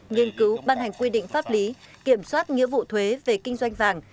nghiên cứu ban hành quy định pháp lý kiểm soát nghĩa vụ thuế về kinh doanh vàng